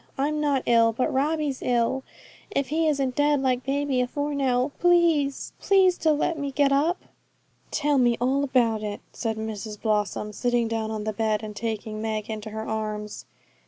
I'm not ill, but Robbie's ill, if he isn't dead, like baby, afore now. Please to let me get up.' 'Tell me all about it,' said Mrs Blossom, sitting down on the bed and taking Meg into her arms.